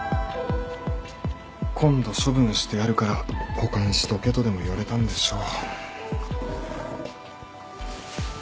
今度処分してやるから保管しとけとでも言われたんでしょう。